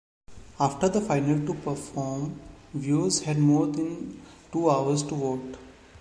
After the final two perform, viewers had more than two hours to vote.